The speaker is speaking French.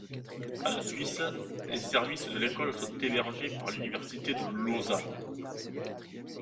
En Suisse, les services de l'École sont hébergés par l'Université de Lausanne.